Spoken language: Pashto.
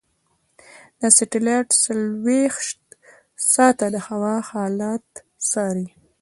دا سټلایټ څلورویشت ساعته د هوا حالت څاري.